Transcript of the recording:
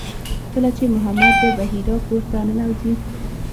کله چې محمد د بحیرا کور ته ننوځي.